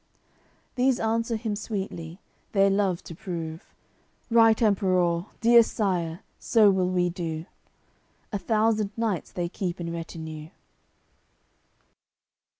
These answer him sweetly, their love to prove: "Right Emperour, dear Sire, so will we do." A thousand knights they keep in retinue.